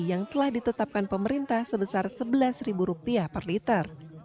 yang telah ditetapkan pemerintah sebesar rp sebelas per liter